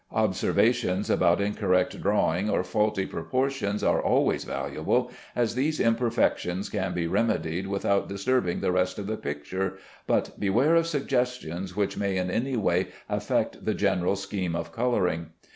Observations about incorrect drawing or faulty proportions are always valuable, as these imperfections can be remedied without disturbing the rest of the picture, but beware of suggestions which may in any way affect the general scheme of coloring.